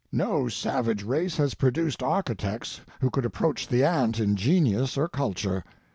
No savage race has produced architects who could approach the ant in genius or culture.